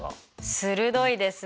鋭いですね。